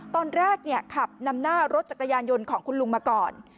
ตอนแรกขับนำหน้ารถจักรยานยนต์ของคุณลุงมาก่อน